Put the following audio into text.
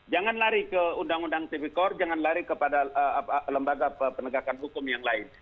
jangan lari ke undang undang tipikor jangan lari kepada lembaga penegakan hukum yang lain